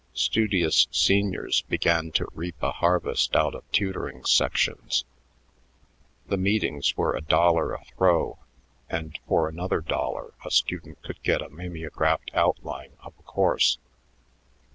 Studious seniors began to reap a harvest out of tutoring sections. The meetings were a dollar "a throw," and for another dollar a student could get a mimeographed outline of a course.